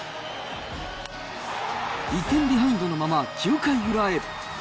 １点ビハインドのまま９回裏へ。